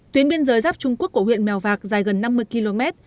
tuyến biên giới giáp trung quốc của huyện mèo vạc dài gần năm mươi km